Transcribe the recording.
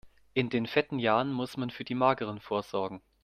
In den fetten Jahren muss man für die mageren vorsorgen.